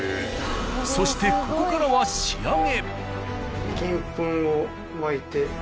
そしてここからは仕上げ。